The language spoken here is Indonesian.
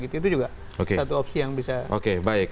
itu juga satu opsi yang bisa kita milih